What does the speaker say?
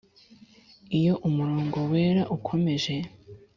Iyo umurongo wera ukomeje